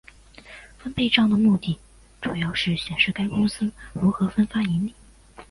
分配帐的目的主要是显示该公司如何分发盈利。